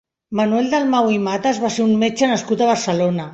Manuel Dalmau i Matas va ser un metge nascut a Barcelona.